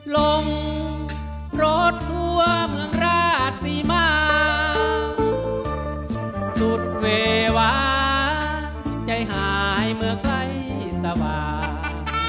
ลงรถทั่วเมืองราชศรีมาสุดเววาใจหายเมื่อใครสบาย